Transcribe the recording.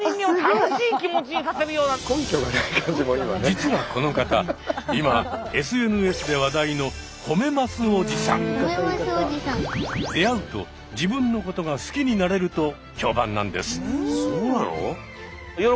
実はこの方今ＳＮＳで話題の出会うと自分のことが好きになれると評判なんです。